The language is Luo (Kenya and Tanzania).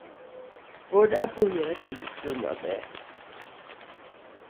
Pod apuonjora tedo chiemo maber